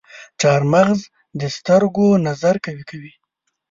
چارمغز د سترګو نظر قوي کوي.